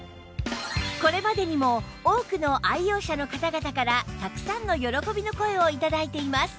これまでにも多くの愛用者の方々からたくさんの喜びの声を頂いています